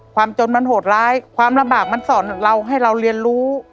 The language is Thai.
จนมันโหดร้ายความลำบากมันสอนเราให้เราเรียนรู้